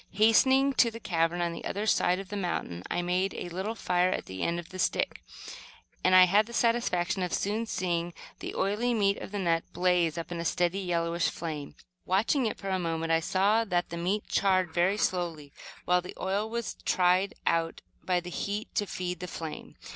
Hastening to the cavern on the other side of the mountain, I made a little fire at the end of the stick, and had the satisfaction of soon seeing the oily meat of the nut blaze up in a steady, yellowish flame. Watching it for a moment, I saw that the meat charred very slowly, while the oil was tried out by the heat to feed the flame.